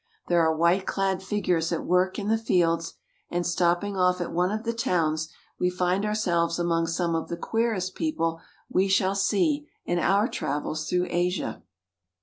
There are white clad figures at work in the field, and stopping off at one of the towns, we find ourselves among some of the queer est people we shall see in our travels through Asia.